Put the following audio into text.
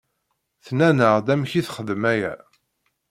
Tenna-aneɣ-d amek i texdem aya.